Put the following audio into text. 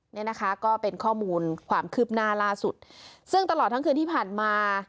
เนี่ยนะคะก็เป็นข้อมูลความคืบหน้าล่าสุดซึ่งตลอดทั้งคืนที่ผ่านมา